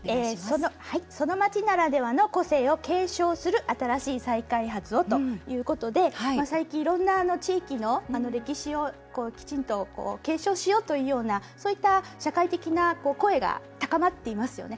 「その街ならではの個性を『継承』する新しい再開発を」ということで最近、いろんな地域の歴史をきちんと継承しようというようなそういった社会的な声が高まっていますよね。